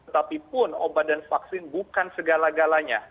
tapi pun obat dan vaksin bukan segala galanya